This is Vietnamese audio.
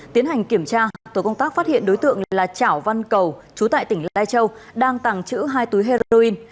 tiến hành kiểm tra tổ công tác phát hiện đối tượng là chảo văn cầu chú tại tỉnh lai châu đang tàng trữ hai túi heroin